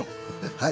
はい。